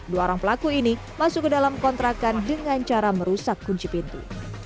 dua orang pelaku ini masuk ke dalam kontrakan dengan cara merusak kunci pintu